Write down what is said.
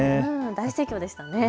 大盛況でしたね。